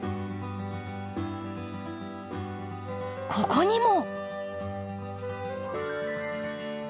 ここにも。